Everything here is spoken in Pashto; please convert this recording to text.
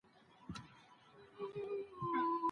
علمي کدرونه د څېړني له لاري خپل استعداد ښيي.